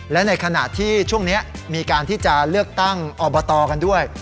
และในขณะที่ช่วงนี้มีการที่จะเลือกตั้งอบตกันด้วย